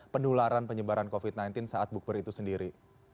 penularan penyebaran covid sembilan belas saat bukber itu sendiri